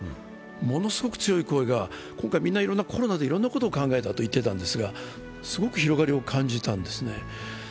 ものすごく強い声が今回コロナでいろんなことを考えたと言っていたんですがすごく広がりを感じたんですね。